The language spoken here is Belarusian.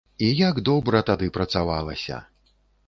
І як добра тады працавалася!